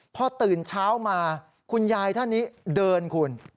พอตื่นเช้ามาคุณยายท่านนี้เดินคุณ